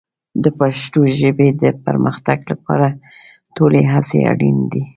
د پښتو ژبې د پرمختګ لپاره ټولې هڅې اړین دي.